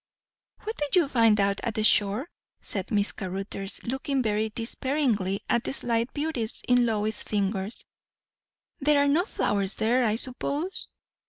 "What do you find down at the shore?" said Miss Caruthers, looking very disparagingly at the slight beauties in Lois's fingers. "There are no flowers there, I suppose?"